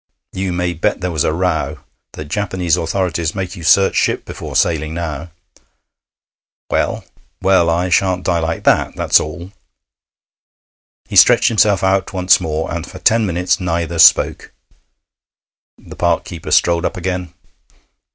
You may bet there was a row. The Japanese authorities make you search ship before sailing, now.' 'Well?' 'Well, I shan't die like that. That's all.' He stretched himself out once more, and for ten minutes neither spoke. The park keeper strolled up again.